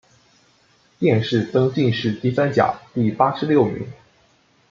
殿试登进士第三甲第八十六名。